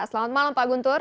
selamat malam pak guntur